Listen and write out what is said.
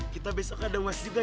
kita besok ada uas juga ya